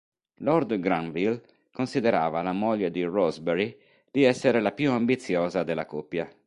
Lord Granville considerava la moglie di Rosebery di essere la più ambiziosa della coppia.